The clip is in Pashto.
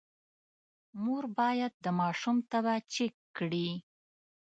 مور باید د ماشوم تبه چیک کړي۔